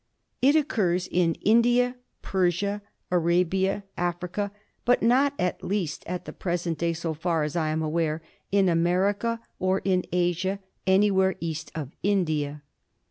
It occurs in India, Persia, Arabia, Africa, but not, at least at the present day so far as I am aware, in America or in Asia anywhere east of India.